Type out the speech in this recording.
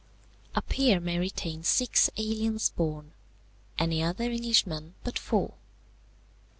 "A peer may retain six aliens born, any other Englishman but four.